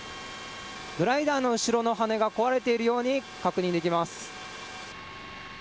グライダーの後ろの羽根が壊れているように確認できます。